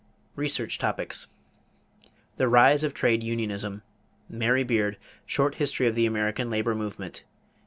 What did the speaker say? =Research Topics= =The Rise of Trade Unionism.= Mary Beard, Short History of the American Labor Movement, pp.